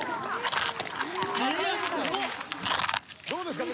どうですか？